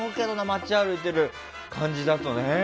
街歩いてる感じだとね。